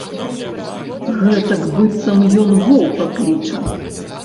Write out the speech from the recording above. Гэтак быццам ён воўка кліча.